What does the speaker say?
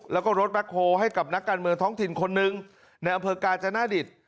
แล้วก็รถแบ็คโฮให้กับนักการเมืองท้องถิ่นคนหนึ่งในอำเภอกาญจนดิต